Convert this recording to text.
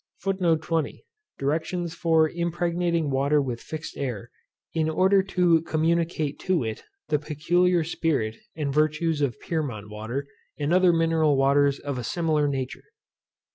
Directions for impregnating water with fixed air, in order to communicate to it the peculiar spirit and virtues of Pyrmont water, and other mineral waters of a similar nature.